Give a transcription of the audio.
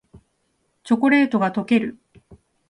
チョコレートがとける